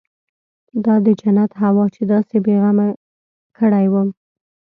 دا د جنت هوا چې داسې بې غمه کړى وم.